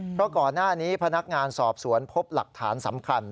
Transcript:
เพราะก่อนหน้านี้พนักงานสอบสวนพบหลักฐานสำคัญ